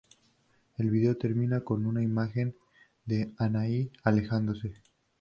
El video termina con una imagen de Anahí alejándose.